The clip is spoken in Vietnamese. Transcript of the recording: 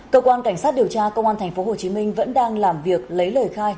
cơ quan cảnh sát điều tra công an thành phố hồ chí minh vẫn đang làm việc lấy lời khai